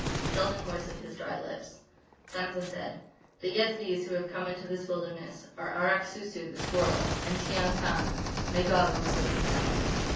Selden moistened his dry lips. Sansa said: "The Yezidees who have come into this wilderness are Arrak Sou Sou, the Squirrel; and Tiyang Khan.... May God remember them in Hell!"